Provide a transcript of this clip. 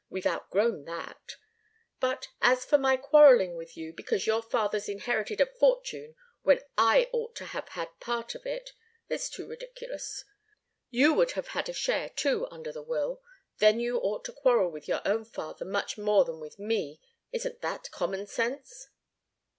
We've outgrown that. But as for my quarrelling with you because your father's inherited a fortune when I ought to have had a part of it it's too ridiculous. You would have had a share, too, under the will. Then you ought to quarrel with your own father, much more than with me. Isn't that common sense?"